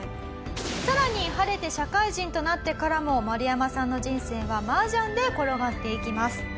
さらに晴れて社会人となってからもマルヤマさんの人生は麻雀で転がっていきます。